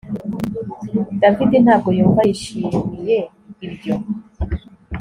David ntabwo yumva yishimiye ibyo